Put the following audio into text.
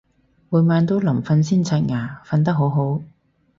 每晚都臨瞓先刷牙，瞓得好好